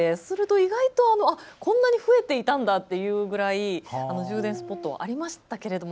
意外と、こんなに増えていたんだっていうぐらい充電スポットありましたけれども。